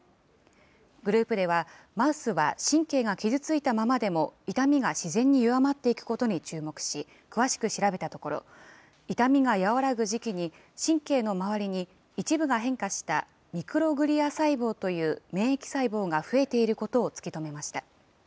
グループでは、マウスは神経が傷ついたままでも痛みが自然に弱まっていくことに注目し、詳しく調べたところ、痛みが和らぐ時期に神経の周りに一部が変化したミクログリア細胞という免疫細胞が増えていることを突き止めました。